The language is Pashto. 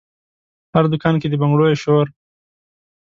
هر دکان کې د بنګړیو شور،